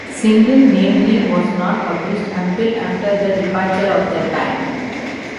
Single-namely was not published until after the departure of the band.